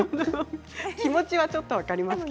気持ちはちょっと分かります。